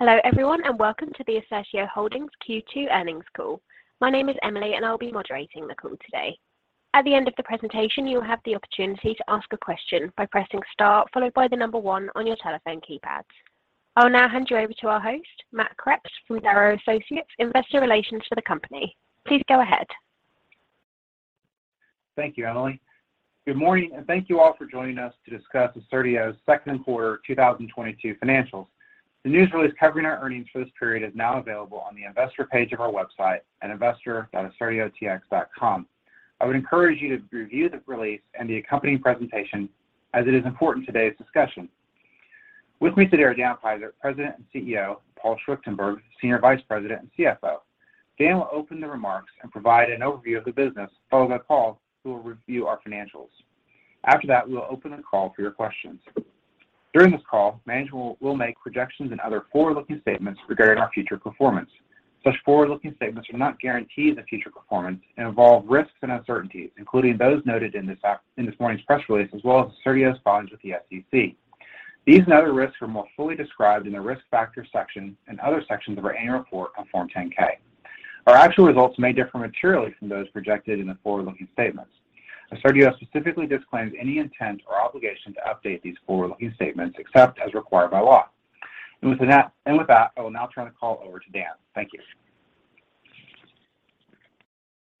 Hello everyone, and welcome to the Assertio Holdings Q2 Earnings Call. My name is Emily, and I'll be moderating the call today. At the end of the presentation, you'll have the opportunity to ask a question by pressing star followed by the number one on your telephone keypad. I'll now hand you over to our host, Matt Kreps from Darrow Associates, Investor Relations for the company. Please go ahead. Thank you, Emily. Good morning, and thank you all for joining us to discuss Assertio's Second Quarter 2022 Financials. The news release covering our earnings for this period is now available on the investor page of our website at investor.assertiotx.com. I would encourage you to review the release and the accompanying presentation as it is important to today's discussion. With me today are Dan Peisert, President and CEO, Paul Schwichtenberg, Senior Vice President and CFO. Dan will open the remarks and provide an overview of the business, followed by Paul, who will review our financials. After that, we will open the call for your questions. During this call, management will make projections and other forward-looking statements regarding our future performance. Such forward-looking statements are not guarantees of future performance and involve risks and uncertainties, including those noted in this in this morning's press release, as well as Assertio's filings with the SEC. These and other risks are more fully described in the Risk Factors section and other sections of our annual report on Form 10-K. Our actual results may differ materially from those projected in the forward-looking statements. Assertio specifically disclaims any intent or obligation to update these forward-looking statements except as required by law. With that, I will now turn the call over to Dan. Thank you.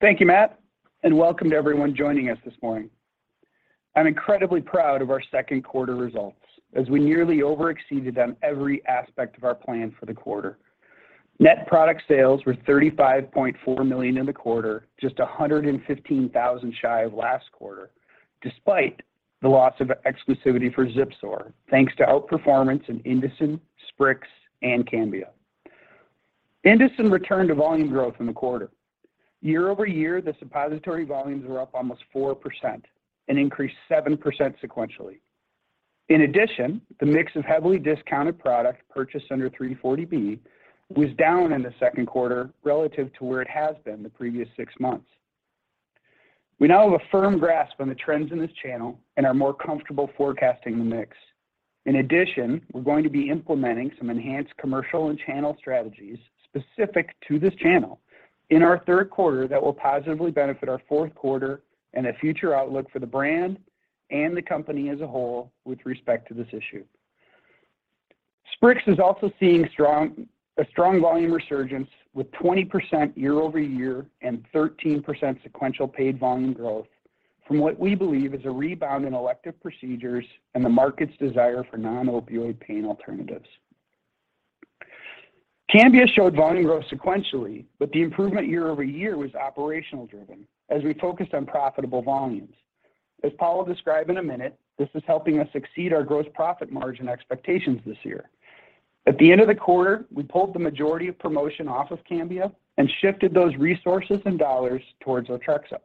Thank you, Matt, and welcome to everyone joining us this morning. I'm incredibly proud of our second quarter results as we nearly over-exceeded on every aspect of our plan for the quarter. Net product sales were $35.4 million in the quarter, just $115,000 shy of last quarter, despite the loss of exclusivity for ZIPSOR, thanks to outperformance in INDOCIN, SPRIX, and CAMBIA. INDOCIN returned to volume growth in the quarter. Year-over-year, the suppository volumes were up almost 4% and increased 7% sequentially. In addition, the mix of heavily discounted product purchased under 340B was down in the second quarter relative to where it has been the previous six months. We now have a firm grasp on the trends in this channel and are more comfortable forecasting the mix. In addition, we're going to be implementing some enhanced commercial and channel strategies specific to this channel in our third quarter that will positively benefit our fourth quarter and a future outlook for the brand and the company as a whole with respect to this issue. SPRIX is also seeing strong volume resurgence with 20% year-over-year and 13% sequential paid volume growth from what we believe is a rebound in elective procedures and the market's desire for non-opioid pain alternatives. CAMBIA showed volume growth sequentially, but the improvement year-over-year was operational driven as we focused on profitable volumes. As Paul will describe in a minute, this is helping us exceed our gross profit margin expectations this year. At the end of the quarter, we pulled the majority of promotion off of CAMBIA and shifted those resources and dollars towards Otrexup.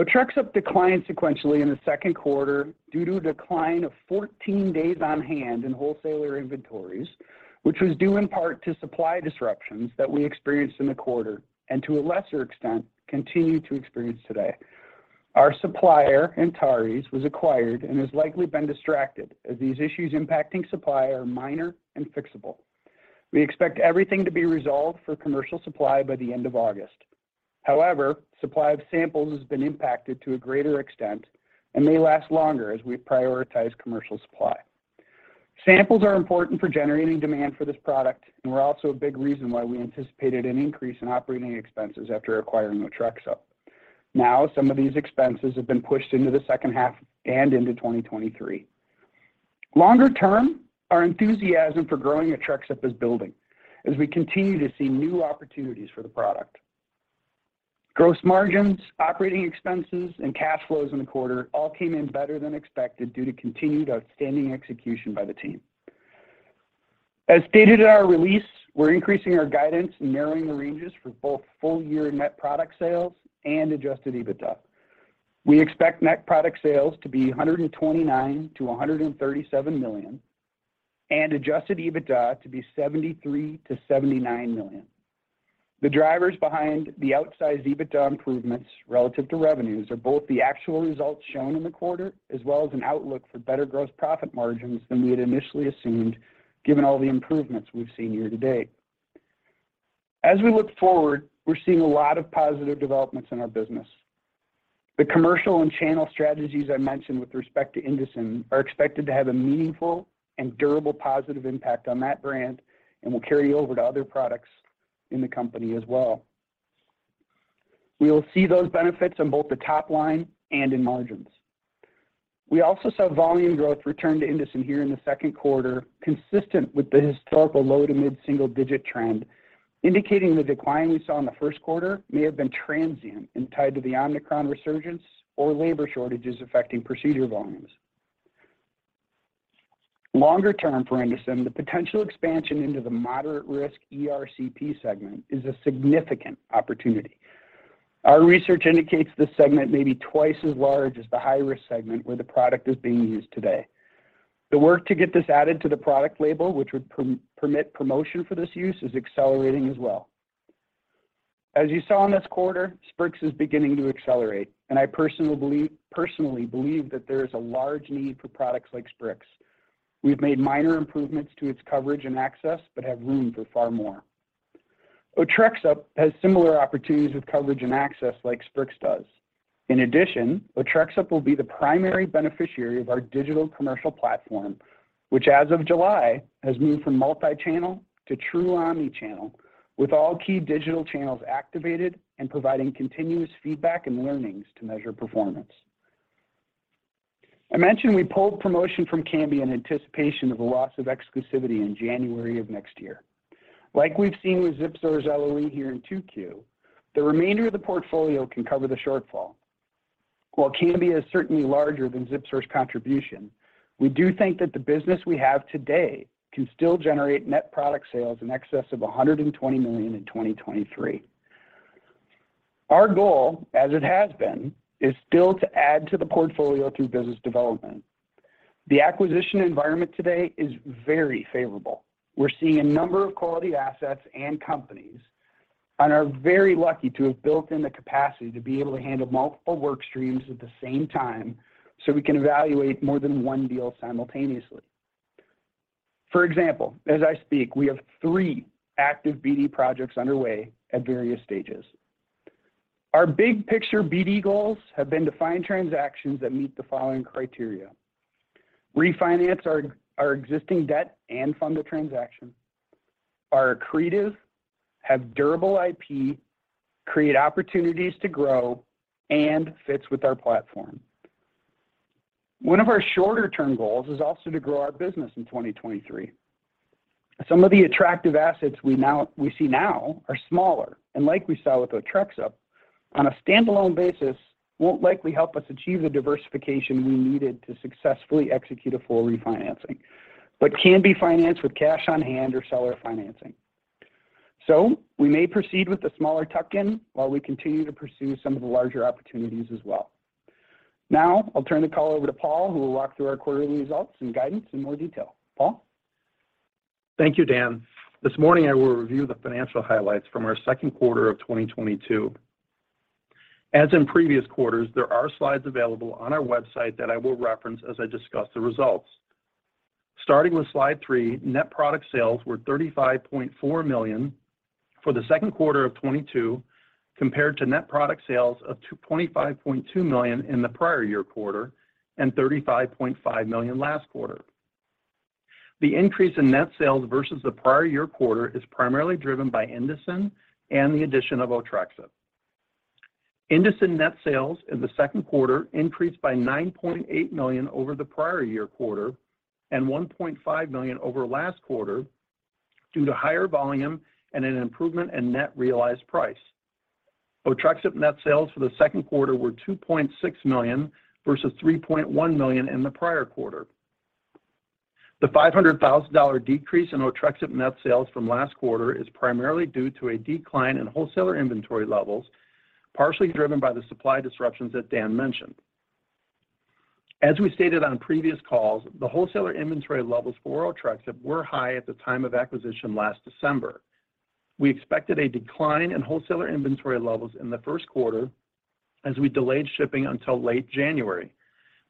Otrexup declined sequentially in the second quarter due to a decline of 14 days on hand in wholesaler inventories, which was due in part to supply disruptions that we experienced in the quarter and to a lesser extent, continue to experience today. Our supplier, Antares, was acquired and has likely been distracted as these issues impacting supply are minor and fixable. We expect everything to be resolved for commercial supply by the end of August. However, supply of samples has been impacted to a greater extent and may last longer as we prioritize commercial supply. Samples are important for generating demand for this product and were also a big reason why we anticipated an increase in operating expenses after acquiring Otrexup. Now, some of these expenses have been pushed into the second half and into 2023. Longer term, our enthusiasm for growing Otrexup is building as we continue to see new opportunities for the product. Gross margins, operating expenses, and cash flows in the quarter all came in better than expected due to continued outstanding execution by the team. As stated in our release, we're increasing our guidance and narrowing the ranges for both full year net product sales and adjusted EBITDA. We expect net product sales to be $129 million-$137 million and adjusted EBITDA to be $73 million-$79 million. The drivers behind the outsized EBITDA improvements relative to revenues are both the actual results shown in the quarter, as well as an outlook for better gross profit margins than we had initially assumed, given all the improvements we've seen year-to-date. As we look forward, we're seeing a lot of positive developments in our business. The commercial and channel strategies I mentioned with respect to INDOCIN are expected to have a meaningful and durable positive impact on that brand and will carry over to other products in the company as well. We will see those benefits on both the top line and in margins. We also saw volume growth return to INDOCIN here in the second quarter, consistent with the historical low to mid-single digit trend, indicating the decline we saw in the first quarter may have been transient and tied to the Omicron resurgence or labor shortages affecting procedure volumes. Longer term for INDOCIN, the potential expansion into the moderate risk ERCP segment is a significant opportunity. Our research indicates this segment may be twice as large as the high risk segment where the product is being used today. The work to get this added to the product label, which would permit promotion for this use, is accelerating as well. As you saw in this quarter, SPRIX is beginning to accelerate, and I personally believe that there is a large need for products like SPRIX. We've made minor improvements to its coverage and access but have room for far more. Otrexup has similar opportunities with coverage and access like SPRIX does. In addition, Otrexup will be the primary beneficiary of our digital commercial platform, which as of July has moved from multi-channel to true omni-channel with all key digital channels activated and providing continuous feedback and learnings to measure performance. I mentioned we pulled promotion from CAMBIA in anticipation of a loss of exclusivity in January of next year. Like we've seen with ZIPSOR's LOE here in 2Q, the remainder of the portfolio can cover the shortfall. While CAMBIA is certainly larger than ZIPSOR's contribution, we do think that the business we have today can still generate net product sales in excess of $120 million in 2023. Our goal, as it has been, is still to add to the portfolio through business development. The acquisition environment today is very favorable. We're seeing a number of quality assets and companies and are very lucky to have built in the capacity to be able to handle multiple work streams at the same time, so we can evaluate more than one deal simultaneously. For example, as I speak, we have three active BD projects underway at various stages. Our big picture BD goals have been to find transactions that meet the following criteria. Refinance our existing debt and fund a transaction, are accretive, have durable IP, create opportunities to grow, and fits with our platform. One of our shorter-term goals is also to grow our business in 2023. Some of the attractive assets we see now are smaller, and like we saw with Otrexup, on a standalone basis, won't likely help us achieve the diversification we needed to successfully execute a full refinancing, but can be financed with cash on hand or seller financing. We may proceed with the smaller tuck-in while we continue to pursue some of the larger opportunities as well. Now I'll turn the call over to Paul, who will walk through our quarterly results and guidance in more detail. Paul? Thank you, Dan. This morning I will review the financial highlights from our second quarter of 2022. As in previous quarters, there are slides available on our website that I will reference as I discuss the results. Starting with slide 3, net product sales were $35.4 million for the second quarter of 2022 compared to net product sales of $25.2 million in the prior year quarter and $35.5 million last quarter. The increase in net sales versus the prior year quarter is primarily driven by INDOCIN and the addition of Otrexup. INDOCIN net sales in the second quarter increased by $9.8 million over the prior year quarter and $1.5 million over last quarter due to higher volume and an improvement in net realized price. Otrexup net sales for the second quarter were $2.6 million versus $3.1 million in the prior quarter. The $500,000 decrease in Otrexup net sales from last quarter is primarily due to a decline in wholesaler inventory levels, partially driven by the supply disruptions that Dan mentioned. As we stated on previous calls, the wholesaler inventory levels for Otrexup were high at the time of acquisition last December. We expected a decline in wholesaler inventory levels in the first quarter as we delayed shipping until late January.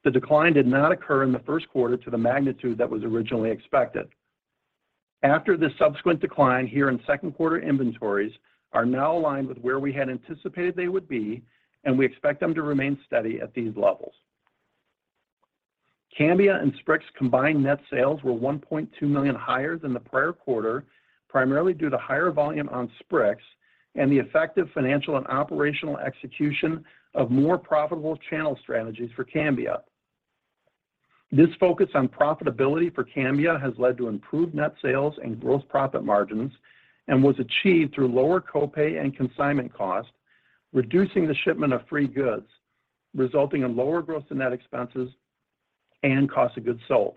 The decline did not occur in the first quarter to the magnitude that was originally expected. After the subsequent decline here in second quarter, inventories are now aligned with where we had anticipated they would be, and we expect them to remain steady at these levels. CAMBIA and SPRIX combined net sales were $1.2 million higher than the prior quarter, primarily due to higher volume on SPRIX and the effective financial and operational execution of more profitable channel strategies for CAMBIA. This focus on profitability for CAMBIA has led to improved net sales and gross profit margins and was achieved through lower co-pay and consignment costs, reducing the shipment of free goods, resulting in lower gross and net expenses and cost of goods sold.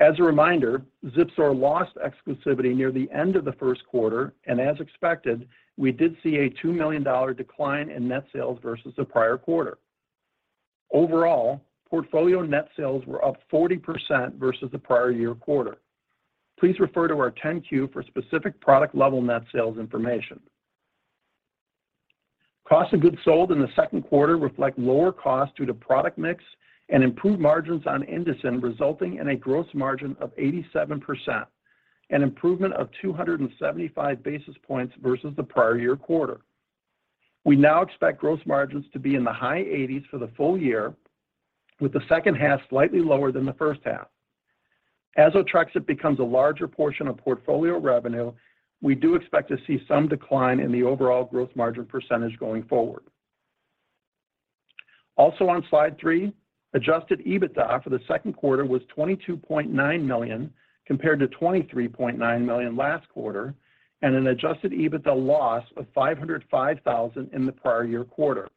As a reminder, ZIPSOR lost exclusivity near the end of the first quarter, and as expected, we did see a $2 million decline in net sales versus the prior quarter. Overall, portfolio net sales were up 40% versus the prior year quarter. Please refer to our 10-Q for specific product level net sales information. Cost of goods sold in the second quarter reflect lower costs due to product mix and improved margins on INDOCIN, resulting in a gross margin of 87%, an improvement of 275 basis points versus the prior year quarter. We now expect gross margins to be in the high 80s% for the full year, with the second half slightly lower than the first half. As Otrexup becomes a larger portion of portfolio revenue, we do expect to see some decline in the overall gross margin percentage going forward. Also on slide 3, adjusted EBITDA for the second quarter was $22.9 million compared to $23.9 million last quarter and an adjusted EBITDA loss of $505,000 in the prior year quarter.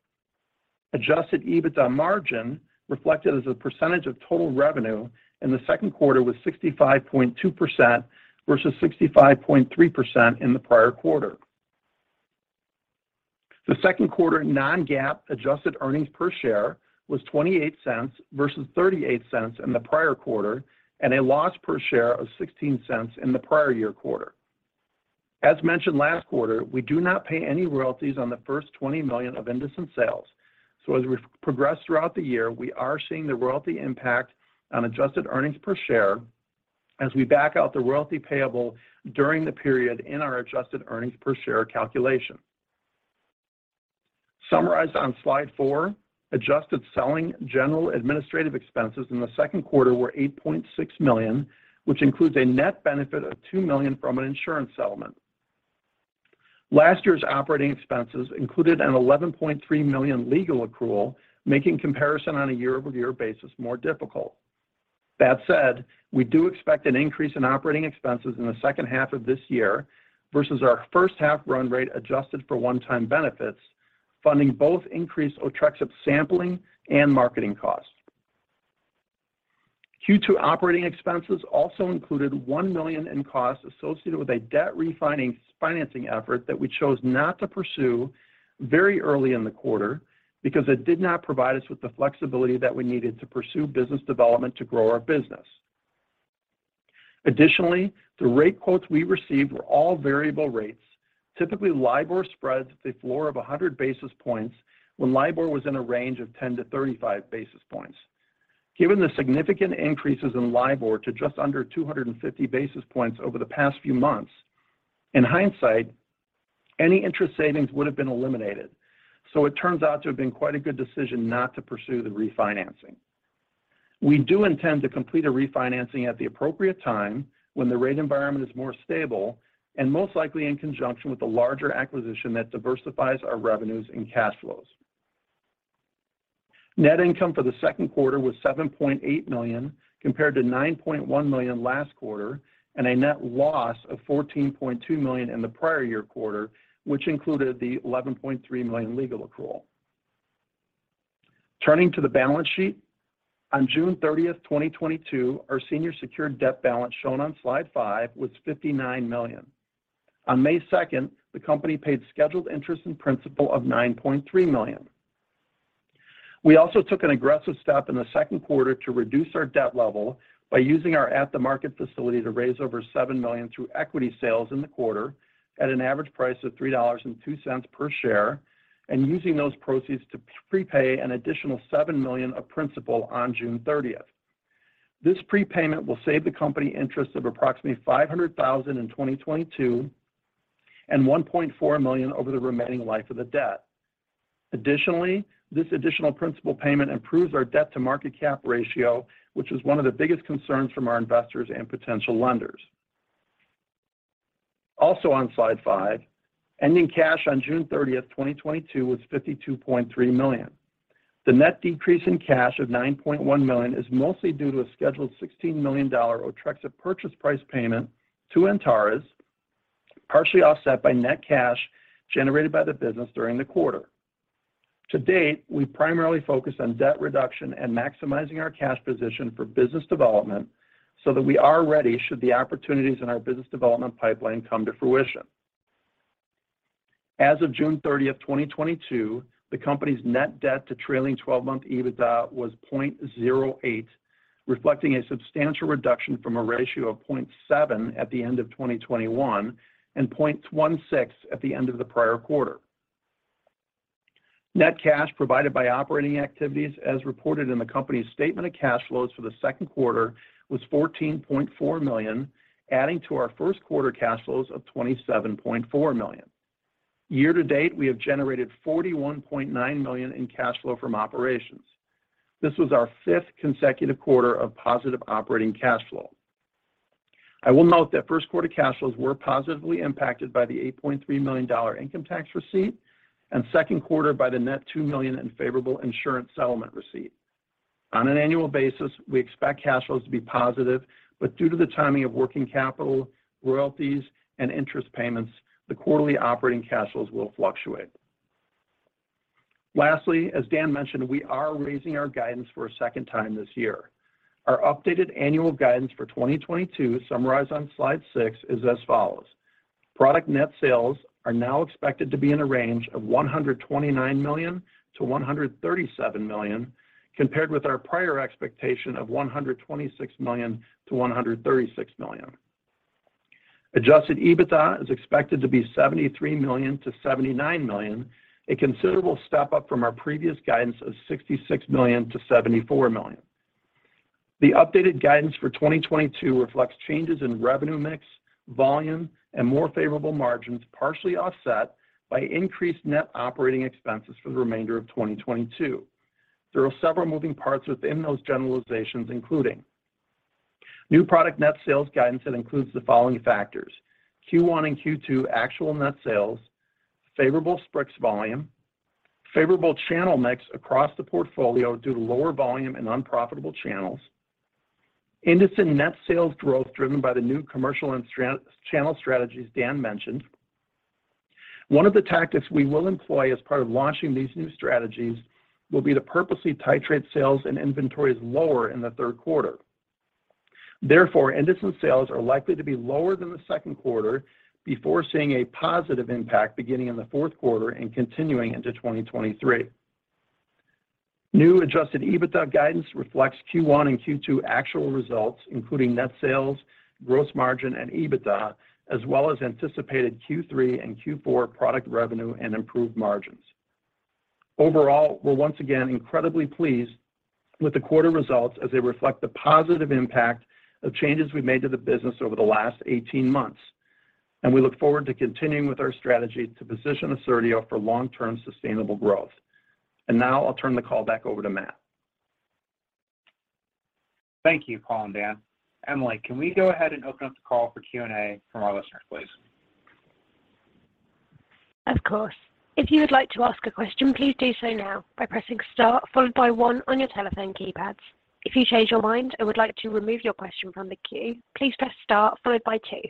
Adjusted EBITDA margin reflected as a percentage of total revenue in the second quarter was 65.2% versus 65.3% in the prior quarter. The second quarter non-GAAP adjusted earnings per share was $0.28 versus $0.38 in the prior quarter, and a loss per share of $0.16 in the prior year quarter. As mentioned last quarter, we do not pay any royalties on the first $20 million of INDOCIN sales. So as we progress throughout the year, we are seeing the royalty impact on adjusted earnings per share as we back out the royalty payable during the period in our adjusted earnings per share calculation. Summarized on slide 4, adjusted selling general administrative expenses in the second quarter were $8.6 million, which includes a net benefit of $2 million from an insurance settlement. Last year's operating expenses included a $11.3 million legal accrual, making comparison on a year-over-year basis more difficult. That said, we do expect an increase in operating expenses in the second half of this year versus our first half run rate adjusted for one-time benefits, funding both increased Otrexup sampling and marketing costs. Q2 operating expenses also included $1 million in costs associated with a debt refinancing effort that we chose not to pursue very early in the quarter because it did not provide us with the flexibility that we needed to pursue business development to grow our business. Additionally, the rate quotes we received were all variable rates, typically LIBOR spreads at the floor of 100 basis points when LIBOR was in a range of 10-35 basis points. Given the significant increases in LIBOR to just under 250 basis points over the past few months, in hindsight, any interest savings would have been eliminated. It turns out to have been quite a good decision not to pursue the refinancing. We do intend to complete a refinancing at the appropriate time when the rate environment is more stable, and most likely in conjunction with a larger acquisition that diversifies our revenues and cash flows. Net income for the second quarter was $7.8 million, compared to $9.1 million last quarter, and a net loss of $14.2 million in the prior year quarter, which included the $11.3 million legal accrual. Turning to the balance sheet. On June 30, 2022, our senior secured debt balance shown on slide 5 was $59 million. On May 2, the company paid scheduled interest and principal of $9.3 million. We also took an aggressive step in the second quarter to reduce our debt level by using our at-the-market facility to raise over $7 million through equity sales in the quarter at an average price of $3.02 per share, and using those proceeds to prepay an additional $7 million of principal on June 30. This prepayment will save the company interest of approximately $500,000 in 2022 and $1.4 million over the remaining life of the debt. Additionally, this additional principal payment improves our debt-to-market cap ratio, which is one of the biggest concerns from our investors and potential lenders. Also on slide 5, ending cash on June 30, 2022 was $52.3 million. The net decrease in cash of $9.1 million is mostly due to a scheduled $16 million Otrexup purchase price payment to Antares, partially offset by net cash generated by the business during the quarter. To date, we primarily focus on debt reduction and maximizing our cash position for business development so that we are ready should the opportunities in our business development pipeline come to fruition. As of June thirtieth, 2022, the company's net debt to trailing twelve-month EBITDA was 0.08, reflecting a substantial reduction from a ratio of 0.7 at the end of 2021 and 0.16 at the end of the prior quarter. Net cash provided by operating activities as reported in the company's statement of cash flows for the second quarter was $14.4 million, adding to our first quarter cash flows of $27.4 million. Year-to-date, we have generated $41.9 million in cash flow from operations. This was our fifth consecutive quarter of positive operating cash flow. I will note that first quarter cash flows were positively impacted by the $8.3 million income tax receipt, and second quarter by the net $2 million in favorable insurance settlement receipt. On an annual basis, we expect cash flows to be positive, but due to the timing of working capital, royalties, and interest payments, the quarterly operating cash flows will fluctuate. Lastly, as Dan mentioned, we are raising our guidance for a second time this year. Our updated annual guidance for 2022 summarized on slide 6 is as follows. Product net sales are now expected to be in a range of $129 million-$137 million, compared with our prior expectation of $126 million-$136 million. Adjusted EBITDA is expected to be $73 million-$79 million, a considerable step up from our previous guidance of $66 million-$74 million. The updated guidance for 2022 reflects changes in revenue mix, volume, and more favorable margins, partially offset by increased net operating expenses for the remainder of 2022. There are several moving parts within those generalizations, including new product net sales guidance that includes the following factors. Q1 and Q2 actual net sales, favorable SPRIX volume, favorable channel mix across the portfolio due to lower volume in unprofitable channels, INDOCIN net sales growth driven by the new commercial and channel strategies Dan mentioned. One of the tactics we will employ as part of launching these new strategies will be to purposely titrate sales and inventories lower in the third quarter. Therefore, INDOCIN sales are likely to be lower than the second quarter before seeing a positive impact beginning in the fourth quarter and continuing into 2023. New adjusted EBITDA guidance reflects Q1 and Q2 actual results, including net sales, gross margin, and EBITDA, as well as anticipated Q3 and Q4 product revenue and improved margins. Overall, we're once again incredibly pleased with the quarter results as they reflect the positive impact of changes we've made to the business over the last 18 months, and we look forward to continuing with our strategy to position Assertio for long-term sustainable growth. Now I'll turn the call back over to Matt. Thank you, Paul and Dan. Emily, can we go ahead and open up the call for Q&A from our listeners, please? Of course. If you would like to ask a question, please do so now by pressing star followed by one on your telephone keypads. If you change your mind and would like to remove your question from the queue, please press star followed by two.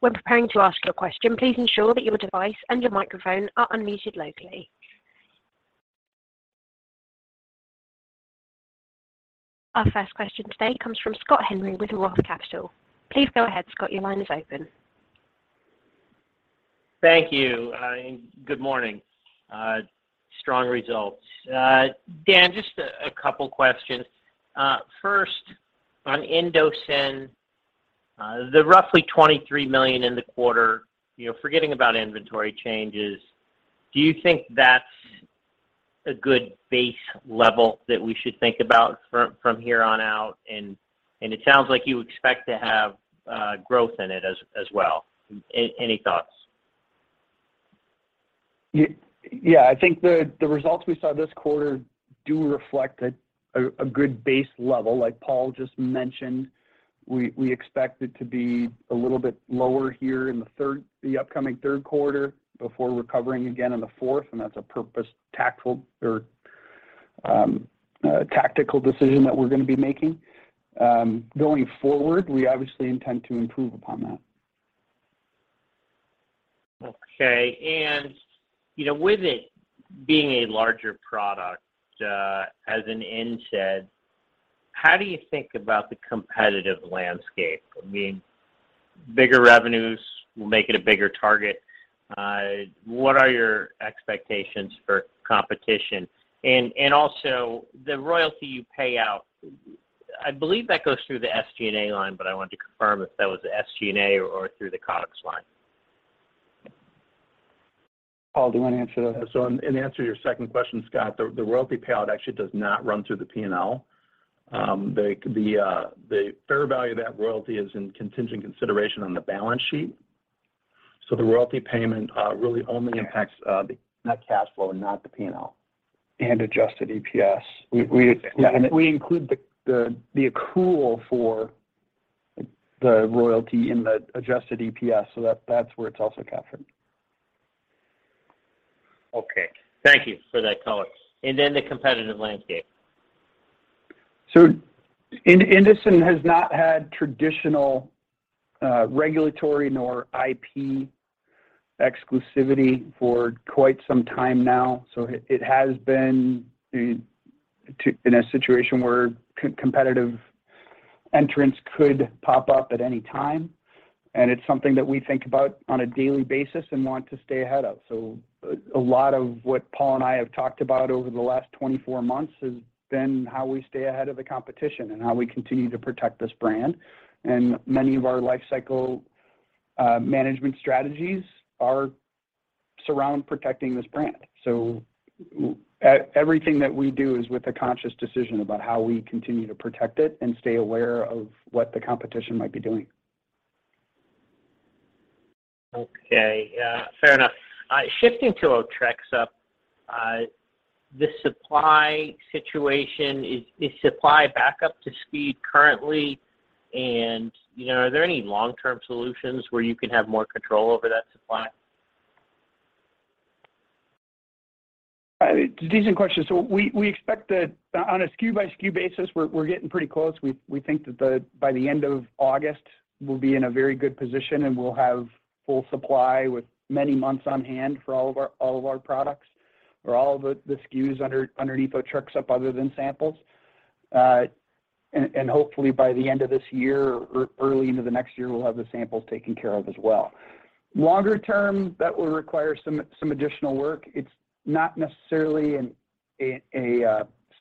When preparing to ask your question, please ensure that your device and your microphone are unmuted locally. Our first question today comes from Scott Henry with ROTH Capital. Please go ahead, Scott. Your line is open. Thank you. Good morning. Strong results. Dan, just a couple questions. First on INDOCIN, the roughly $23 million in the quarter, you know, forgetting about inventory changes, do you think that's a good base level that we should think about from here on out? It sounds like you expect to have growth in it as well. Any thoughts? Yeah, I think the results we saw this quarter do reflect a good base level, like Paul just mentioned. We expect it to be a little bit lower here in the upcoming third quarter before recovering again in the fourth, and that's a purposeful tactical decision that we're gonna be making. Going forward, we obviously intend to improve upon that. Okay. You know, with it being a larger product, as an insider, how do you think about the competitive landscape? I mean, bigger revenues will make it a bigger target. What are your expectations for competition? Also, the royalty you pay out, I believe that goes through the SG&A line, but I wanted to confirm if that was the SG&A or through the COGS line. Paul, do you wanna answer that? In answer to your second question, Scott, the royalty payout actually does not run through the P&L. The fair value of that royalty is in contingent consideration on the balance sheet. The royalty payment really only impacts the net cash flow and not the P&L. Adjusted EPS. Yeah. We include the accrual for the royalty in the adjusted EPS, so that's where it's also captured. Okay. Thank you for that color. The competitive landscape. INDOCIN has not had traditional, regulatory nor IP exclusivity for quite some time now. It has been in a situation where competitive entrants could pop up at any time, and it's something that we think about on a daily basis and want to stay ahead of. A lot of what Paul and I have talked about over the last 24 months has been how we stay ahead of the competition and how we continue to protect this brand. Many of our lifecycle management strategies surround protecting this brand. Everything that we do is with a conscious decision about how we continue to protect it and stay aware of what the competition might be doing. Okay. Yeah, fair enough. Shifting to Otrexup, the supply situation. Is supply back up to speed currently? You know, are there any long-term solutions where you can have more control over that supply? It's a decent question. We expect that on a SKU by SKU basis, we're getting pretty close. We think that by the end of August, we'll be in a very good position, and we'll have full supply with many months on hand for all of our products or all of the SKUs underneath Otrexup other than samples. Hopefully by the end of this year or early into the next year, we'll have the samples taken care of as well. Longer term, that will require some additional work. It's not necessarily a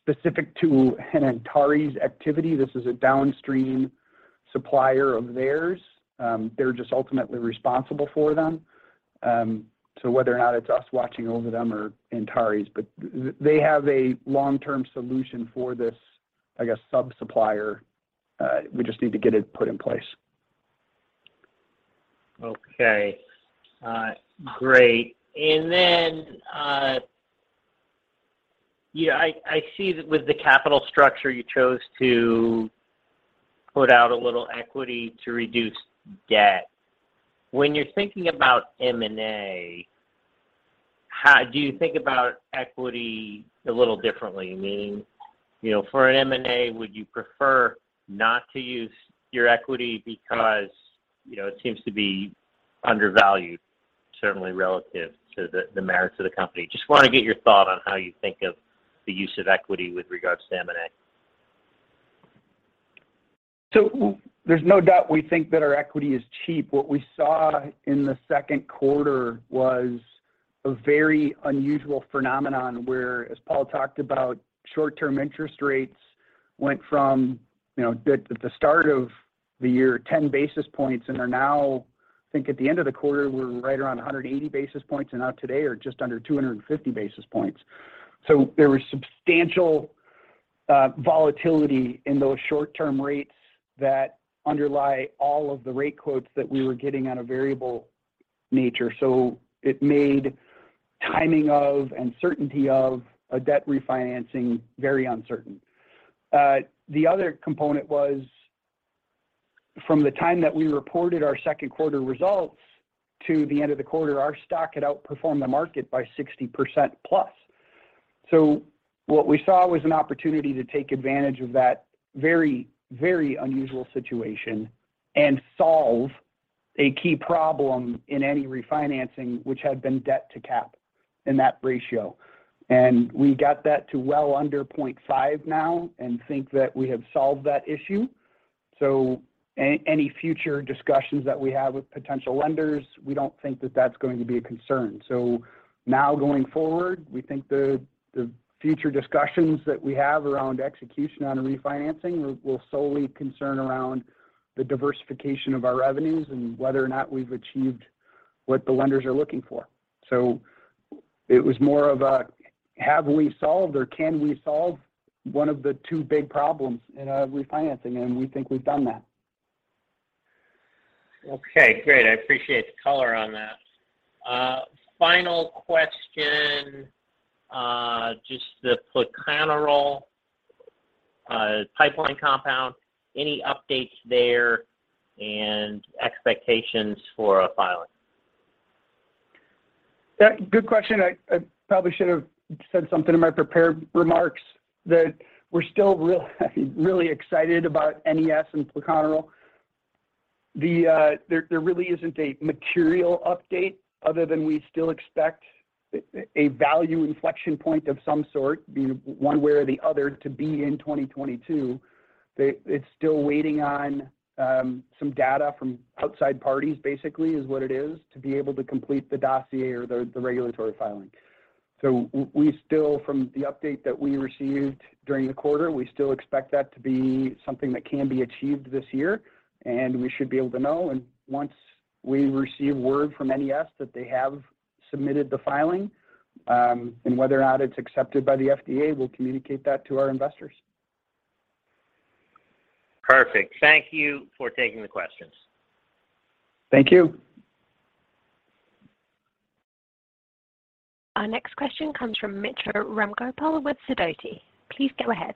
specific to an Antares activity. This is a downstream supplier of theirs. They're just ultimately responsible for them. Whether or not it's us watching over them or Antares, but they have a long-term solution for this sub-supplier, I guess. We just need to get it put in place. Okay. Great. Then, I see that with the capital structure you chose to put out a little equity to reduce debt. When you're thinking about M&A, how do you think about equity a little differently? Meaning, you know, for an M&A, would you prefer not to use your equity because, you know, it seems to be undervalued? Certainly relative to the merits of the company. Just wanna get your thought on how you think of the use of equity with regard to M&A. There's no doubt we think that our equity is cheap. What we saw in the second quarter was a very unusual phenomenon where, as Paul talked about, short-term interest rates went from, you know, the start of the year, 10 basis points and are now, I think at the end of the quarter were right around 180 basis points, and now today are just under 250 basis points. There was substantial volatility in those short-term rates that underlie all of the rate quotes that we were getting on a variable nature. It made timing of and certainty of a debt refinancing very uncertain. The other component was from the time that we reported our second quarter results to the end of the quarter, our stock had outperformed the market by 60% plus. What we saw was an opportunity to take advantage of that very, very unusual situation and solve a key problem in any refinancing which had been debt to cap in that ratio. We got that to well under 0.5 now and think that we have solved that issue. Any future discussions that we have with potential lenders, we don't think that that's going to be a concern. Now going forward, we think the future discussions that we have around execution on a refinancing will solely concern around the diversification of our revenues and whether or not we've achieved what the lenders are looking for. It was more of a have we solved or can we solve one of the two big problems in a refinancing, and we think we've done that. Okay, great. I appreciate the color on that. Final question, just the plecanatide pipeline compound. Any updates there and expectations for a filing? Yeah, good question. I probably should have said something in my prepared remarks, that we're still really excited about NES and plecanatide. There really isn't a material update other than we still expect a value inflection point of some sort be one way or the other to be in 2022. It's still waiting on some data from outside parties basically is what it is, to be able to complete the dossier or the regulatory filing. We still from the update that we received during the quarter, we still expect that to be something that can be achieved this year, and we should be able to know. Once we receive word from NES that they have submitted the filing, and whether or not it's accepted by the FDA, we'll communicate that to our investors. Perfect. Thank you for taking the questions. Thank you. Our next question comes from Mitra Ramgopal with Sidoti. Please go ahead.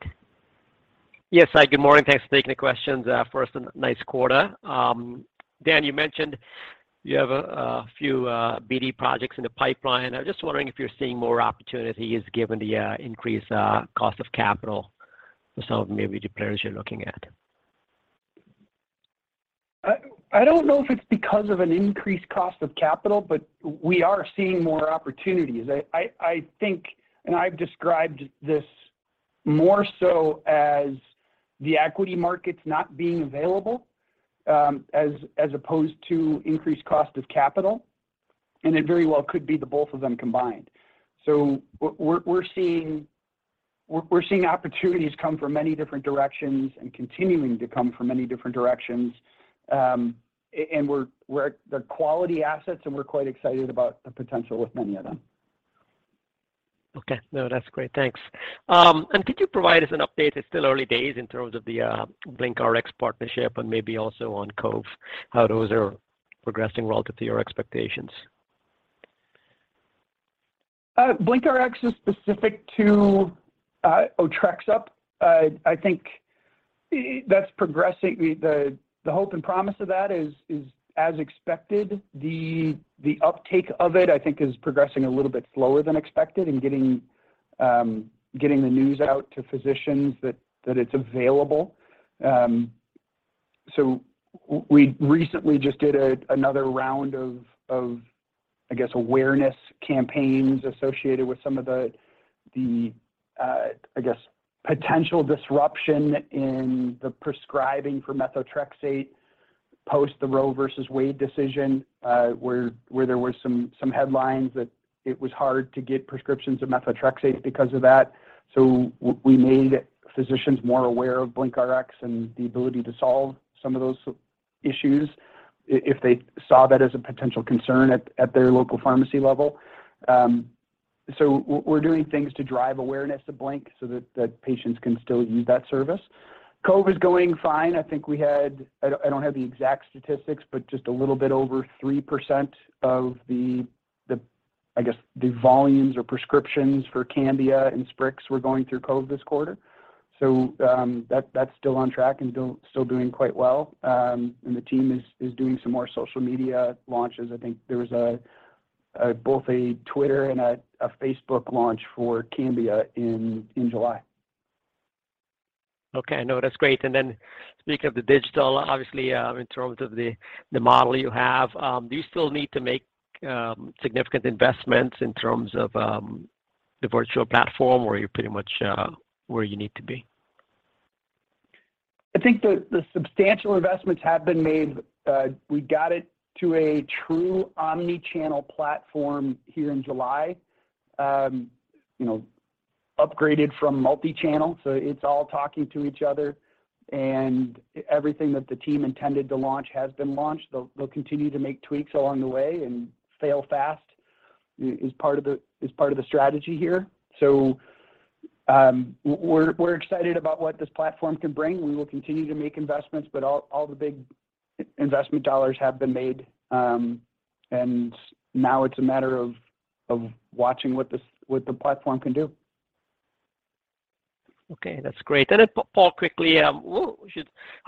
Yes. Hi, good morning. Thanks for taking the questions. First, a nice quarter. Dan, you mentioned you have a few BD projects in the pipeline. I'm just wondering if you're seeing more opportunities given the increased cost of capital for some of maybe the players you're looking at? I don't know if it's because of an increased cost of capital, but we are seeing more opportunities. I think and I've described this more so as the equity markets not being available, as opposed to increased cost of capital, and it very well could be both of them combined. We're seeing opportunities come from many different directions and continuing to come from many different directions. And we're after the quality assets, and we're quite excited about the potential with many of them. Okay. No, that's great. Thanks. Could you provide us an update? It's still early days in terms of the BlinkRx partnership and maybe also on Cove, how those are progressing relative to your expectations? BlinkRx is specific to Otrexup. I think that's progressing. The hope and promise of that is as expected. The uptake of it, I think, is progressing a little bit slower than expected and getting the news out to physicians that it's available. We recently just did another round of, I guess, awareness campaigns associated with some of the, I guess, potential disruption in the prescribing for methotrexate post the Roe v. Wade decision, where there were some headlines that it was hard to get prescriptions of methotrexate because of that. We made physicians more aware of BlinkRx and the ability to solve some of those issues if they saw that as a potential concern at their local pharmacy level. We're doing things to drive awareness to Blink so that the patients can still use that service. Cove is going fine. I think I don't have the exact statistics, but just a little bit over 3% of the, I guess, the volumes or prescriptions for CAMBIA and SPRIX were going through Cove this quarter. That's still on track and still doing quite well. The team is doing some more social media launches. I think there was both a Twitter and a Facebook launch for CAMBIA in July. Okay. No, that's great. Speaking of the digital, obviously, in terms of the model you have, do you still need to make significant investments in terms of the virtual platform or you're pretty much where you need to be? I think the substantial investments have been made. We got it to a true omni-channel platform here in July. You know, upgraded from multi-channel, so it's all talking to each other, and everything that the team intended to launch has been launched. They'll continue to make tweaks along the way, and fail fast is part of the strategy here. We're excited about what this platform can bring. We will continue to make investments, but all the big investment dollars have been made. Now it's a matter of watching what the platform can do. Okay, that's great. Paul, quickly, how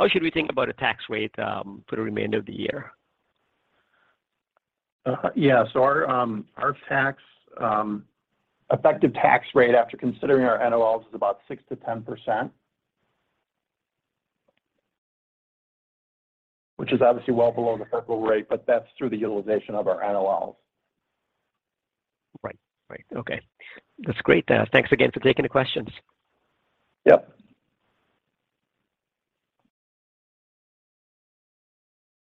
should we think about a tax rate for the remainder of the year? Our effective tax rate after considering our NOLs is about 6%-10%, which is obviously well below the federal rate, but that's through the utilization of our NOLs. Right. Okay. That's great. Thanks again for taking the questions. Yep.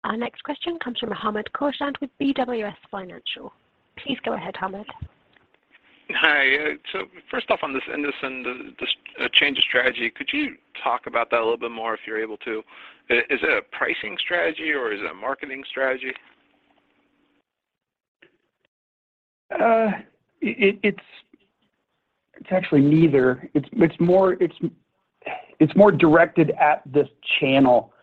Our next question comes from Hamed Khorsand with BWS Financial. Please go ahead, Hamed. Hi. First off on this INDOCIN, this change of strategy, could you talk about that a little bit more if you're able to? Is it a pricing strategy or is it a marketing strategy? It's actually neither. It's more directed at this channel.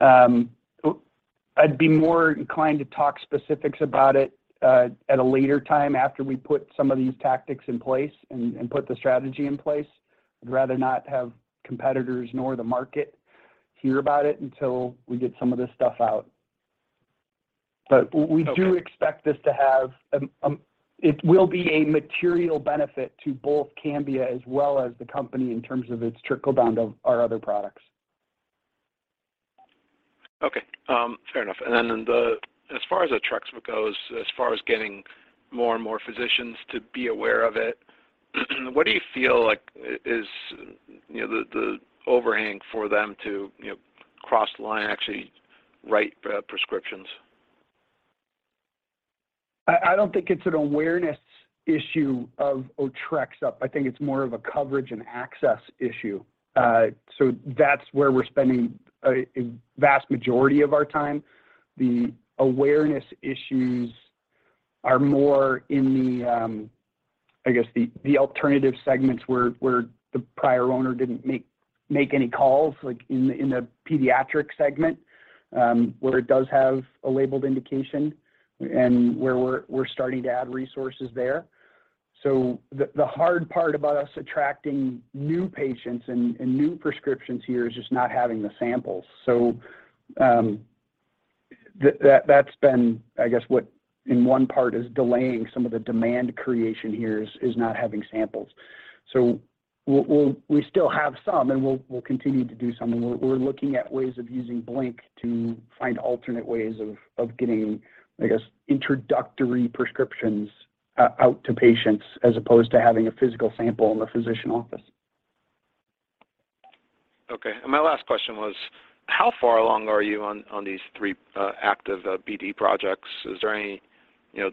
I'd be more inclined to talk specifics about it at a later time after we put some of these tactics in place and put the strategy in place. I'd rather not have competitors nor the market hear about it until we get some of this stuff out. Okay. It will be a material benefit to both CAMBIA as well as the company in terms of its trickle-down to our other products. Okay. Fair enough. As far as Otrexup goes, as far as getting more and more physicians to be aware of it, what do you feel like is, you know, the overhang for them to, you know, cross the line and actually write prescriptions? I don't think it's an awareness issue of Otrexup. I think it's more of a coverage and access issue. That's where we're spending a vast majority of our time. The awareness issues are more in the alternative segments where the prior owner didn't make any calls, like in the Pediatric segment, where it does have a labeled indication and where we're starting to add resources there. The hard part about us attracting new patients and new prescriptions here is just not having the samples. That's been what in one part is delaying some of the demand creation here is not having samples. We still have some, and we'll continue to do some, and we're looking at ways of using Blink to find alternate ways of getting, I guess, introductory prescriptions out to patients as opposed to having a physical sample in the physician office. Okay. My last question was, how far along are you on these three active BD projects? Are there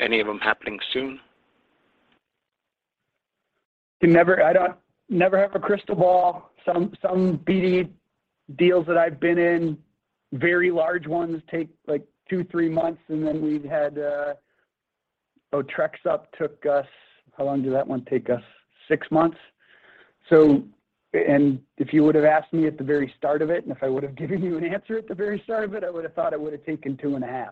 any of them happening soon? Never have a crystal ball. Some BD deals that I've been in, very large ones take like 2-3 months, and then we've had Otrexup took us. How long did that one take us? 6 months. If you would've asked me at the very start of it, if I would've given you an answer at the very start of it, I would've thought it would've taken 2.5.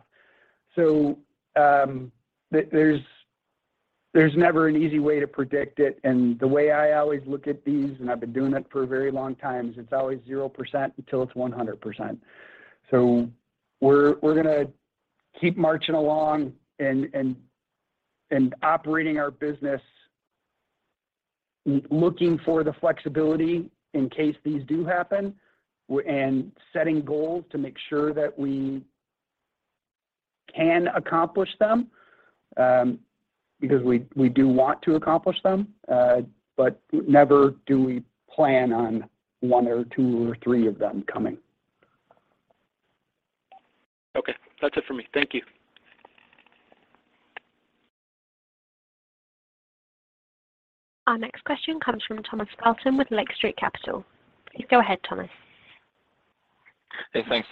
There's never an easy way to predict it. The way I always look at these, and I've been doing it for a very long time, is it's always 0% until it's 100%. We're gonna keep marching along and operating our business looking for the flexibility in case these do happen and setting goals to make sure that we can accomplish them, because we do want to accomplish them. Never do we plan on one or two or three of them coming. Okay. That's it for me. Thank you. Our next question comes from Thomas Flaten with Lake Street Capital. Please go ahead, Thomas. Hey, thanks.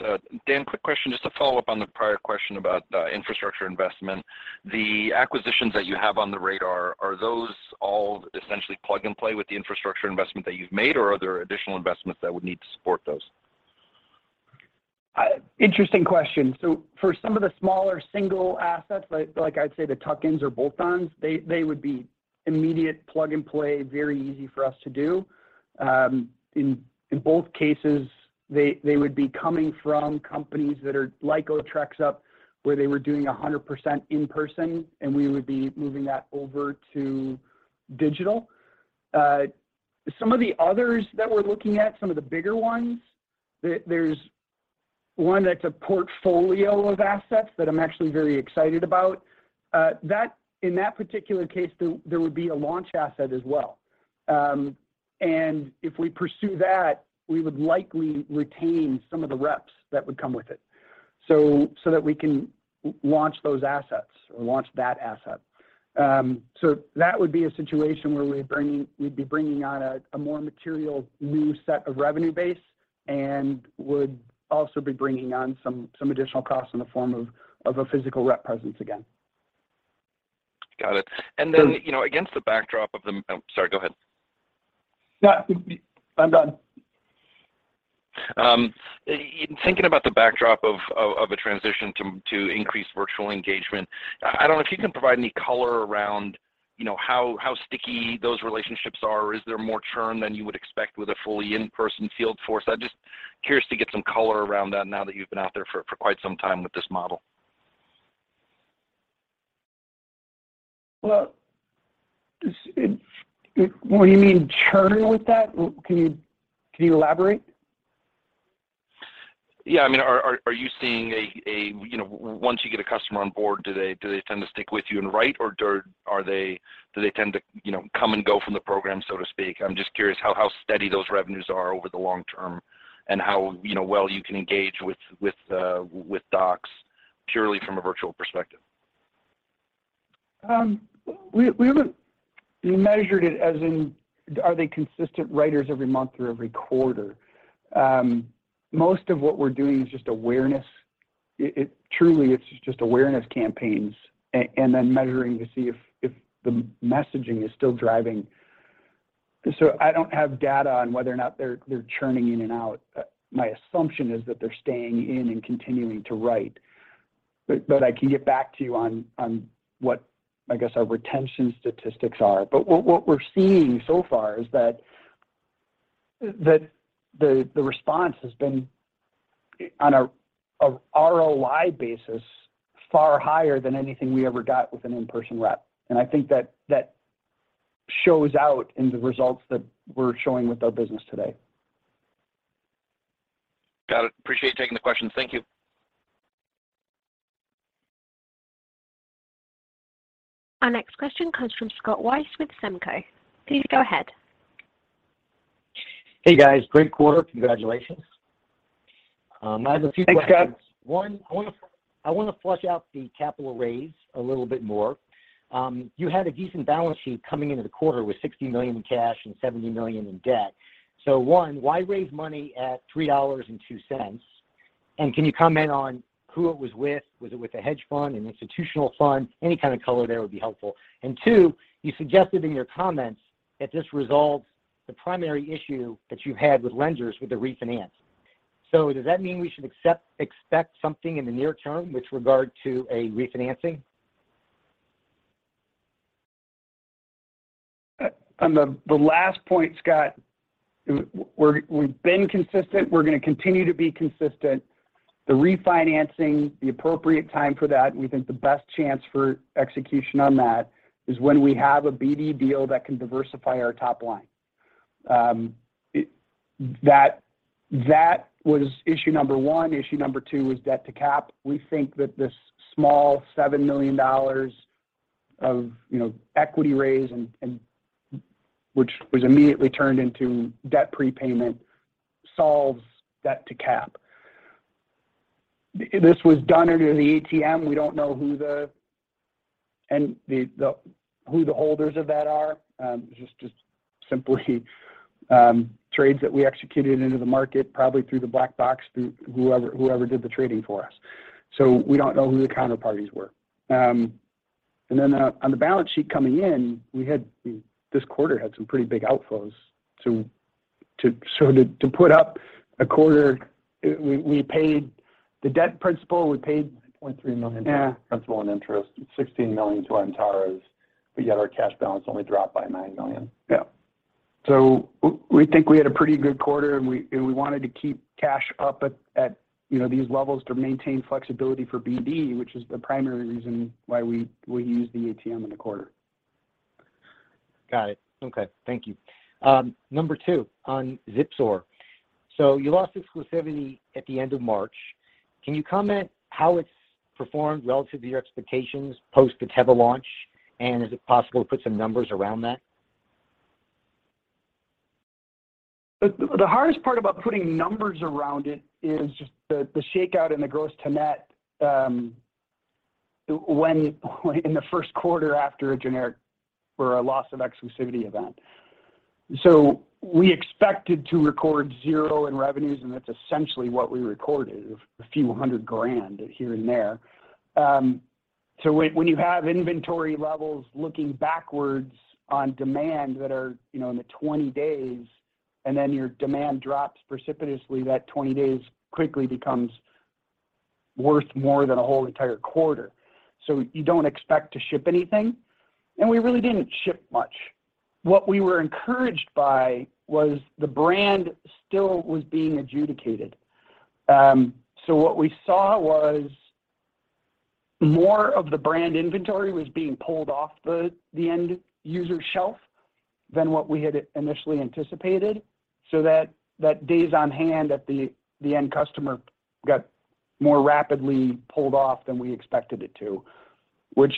Dan, quick question just to follow up on the prior question about infrastructure investment. The acquisitions that you have on the radar, are those all essentially plug and play with the infrastructure investment that you've made, or are there additional investments that would need to support those? Interesting question. For some of the smaller single assets, like, I'd say the tuck-ins or bolt-ons, they would be immediate plug and play, very easy for us to do. In both cases, they would be coming from companies that are like Otrexup, where they were doing 100% in person and we would be moving that over to digital. Some of the others that we're looking at, some of the bigger ones, there's one that's a portfolio of assets that I'm actually very excited about. That in that particular case, there would be a launch asset as well. And if we pursue that, we would likely retain some of the reps that would come with it so that we can launch those assets or launch that asset. That would be a situation where we'd be bringing on a more material new set of revenue base and would also be bringing on some additional costs in the form of a physical rep presence again. Got it. So- You know, against the backdrop of the. Oh, sorry, go ahead. No, I'm done. In thinking about the backdrop of a transition to increased virtual engagement, I don't know if you can provide any color around, you know, how sticky those relationships are. Is there more churn than you would expect with a fully in-person field force? I'm just curious to get some color around that now that you've been out there for quite some time with this model. You mean churn with that? Can you elaborate? Yeah. I mean, are you seeing, you know, once you get a customer on board, do they tend to stick with you and write, or do they tend to, you know, come and go from the program, so to speak? I'm just curious how steady those revenues are over the long term and how well you can engage with docs purely from a virtual perspective. We haven't measured it as in are they consistent writers every month or every quarter. Most of what we're doing is just awareness. Truly, it's just awareness campaigns and then measuring to see if the messaging is still driving. I don't have data on whether or not they're churning in and out. My assumption is that they're staying in and continuing to write. I can get back to you on what, I guess, our retention statistics are. What we're seeing so far is that the response has been on a ROI basis far higher than anything we ever got with an in-person rep, and I think that shows out in the results that we're showing with our business today. Got it. Appreciate you taking the question. Thank you. Our next question comes from Scott Weis with Semco. Please go ahead. Hey, guys. Great quarter. Congratulations. I have a few questions. Thanks, Scott. One, I wanna flesh out the capital raise a little bit more. You had a decent balance sheet coming into the quarter with $60 million in cash and $70 million in debt. One, why raise money at $3.02, and can you comment on who it was with? Was it with a hedge fund, an institutional fund? Any kind of color there would be helpful. Two, you suggested in your comments that this resolves the primary issue that you had with lenders with the refinance. Does that mean we should expect something in the near term with regard to a refinancing? On the last point, Scott, we've been consistent. We're gonna continue to be consistent. The refinancing, the appropriate time for that, and we think the best chance for execution on that is when we have a BD deal that can diversify our top line. That was issue number one. Issue number two was debt to cap. We think that this small $7 million of, you know, equity raise and which was immediately turned into debt prepayment solves debt to cap. This was done under the ATM. We don't know who the holders of that are. It was just simply trades that we executed into the market, probably through the black box, through whoever did the trading for us. So we don't know who the counterparties were. On the balance sheet coming in, this quarter had some pretty big outflows. To put up a quarter, we paid the debt principal. We paid. $0.3 million principal and interest and $16 million to Antares, but yet our cash balance only dropped by $9 million. Yeah. We think we had a pretty good quarter, and we wanted to keep cash up at these levels, you know, to maintain flexibility for BD, which is the primary reason why we used the ATM in the quarter. Got it. Okay. Thank you. Number two on ZIPSOR. You lost exclusivity at the end of March. Can you comment how it's performed relative to your expectations post the Teva launch, and is it possible to put some numbers around that? The hardest part about putting numbers around it is just the shakeout in the gross to net, when in the first quarter after a generic or a loss of exclusivity event. We expected to record $0 in revenues, and that's essentially what we recorded, a few hundred grand here and there. When you have inventory levels looking backwards on demand that are, you know, in the 20 days and then your demand drops precipitously, that 20 days quickly becomes worth more than a whole entire quarter. You don't expect to ship anything, and we really didn't ship much. What we were encouraged by was the brand still was being adjudicated. What we saw was more of the brand inventory was being pulled off the end user shelf than what we had initially anticipated. That days on hand at the end customer got more rapidly pulled off than we expected it to, which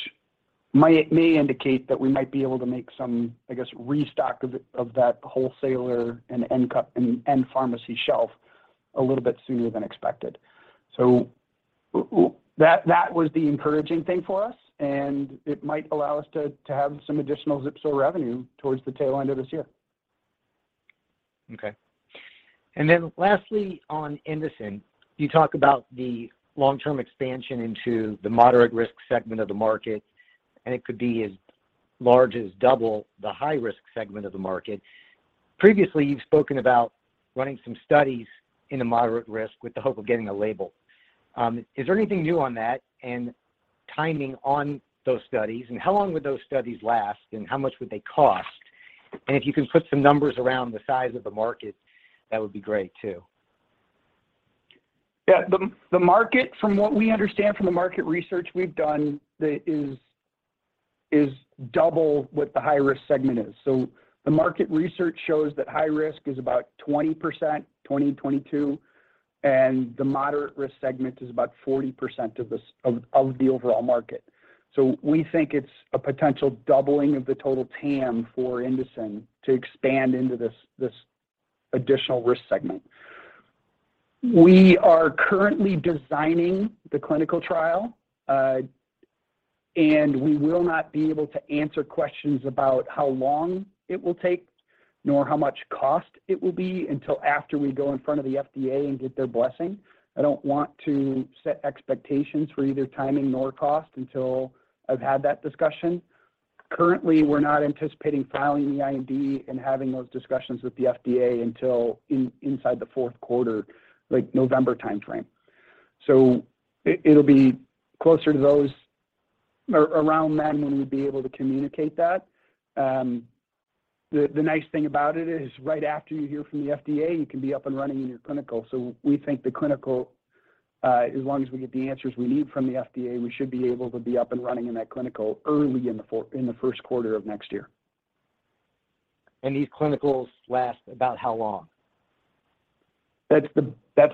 may indicate that we might be able to make some, I guess, restock of that wholesaler and end pharmacy shelf a little bit sooner than expected. That was the encouraging thing for us, and it might allow us to have some additional ZIPSOR revenue towards the tail end of this year. Okay. Lastly, on INDOCIN, you talk about the long-term expansion into the moderate risk segment of the market, and it could be as large as double the high risk segment of the market. Previously, you've spoken about running some studies in the moderate risk with the hope of getting a label. Is there anything new on that and timing on those studies? How long would those studies last, and how much would they cost? If you can put some numbers around the size of the market, that would be great too. Yeah. The market, from what we understand from the market research we've done, is double what the high risk segment is. The market research shows that high risk is about 22%, and the moderate risk segment is about 40% of the overall market. We think it's a potential doubling of the total TAM for INDOCIN to expand into this additional risk segment. We are currently designing the clinical trial, and we will not be able to answer questions about how long it will take nor how much cost it will be until after we go in front of the FDA and get their blessing. I don't want to set expectations for either timing nor cost until I've had that discussion. Currently, we're not anticipating filing the IND and having those discussions with the FDA until inside the fourth quarter, like November timeframe. It'll be closer to those or around then when we'd be able to communicate that. The nice thing about it is right after you hear from the FDA, you can be up and running in your clinical. We think the clinical, as long as we get the answers we need from the FDA, we should be able to be up and running in that clinical early in the first quarter of next year. These clinicals last about how long? That's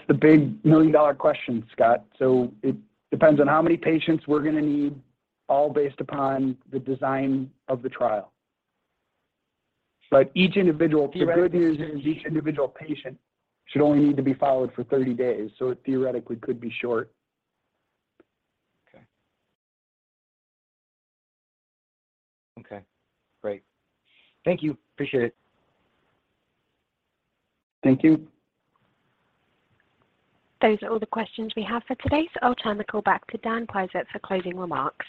the big million-dollar question, Scott. It depends on how many patients we're gonna need, all based upon the design of the trial. Each individual- Theoretically- The good news is each individual patient should only need to be followed for 30 days, so it theoretically could be short. Okay. Okay, great. Thank you. Appreciate it. Thank you. Those are all the questions we have for today, so I'll turn the call back to Dan Peisert for closing remarks.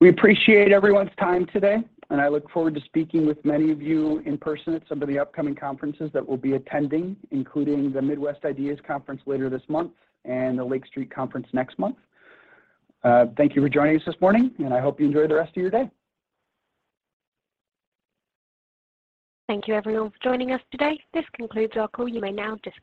We appreciate everyone's time today, and I look forward to speaking with many of you in person at some of the upcoming Conferences that we'll be attending, including the Midwest IDEAS Conference later this month and the Lake Street Conference next month. Thank you for joining us this morning, and I hope you enjoy the rest of your day. Thank you everyone for joining us today. This concludes our call. You may now disconnect.